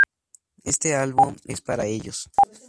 Este álbum es para ellos.